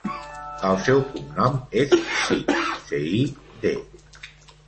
El seu cognom és Cid: ce, i, de.